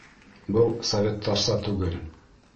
Был совет-тарса түгел.